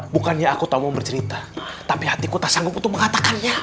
bukannya aku tahu mau bercerita tapi hatiku tak sanggup untuk mengatakannya